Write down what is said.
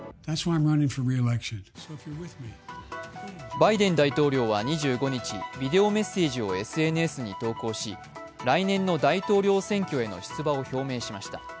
バイデン大統領は２５日、ビデオメッセージをＳＮＳに投稿し来年の大統領選挙への出馬を表明しました。